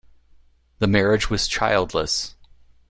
The marriage was childless.